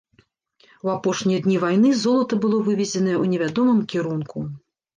У апошнія дні вайны золата было вывезенае ў невядомым кірунку.